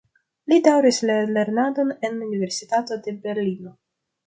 Li daŭris la lernadon en Universitato de Berlino.